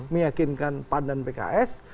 meyakinkan pandan pks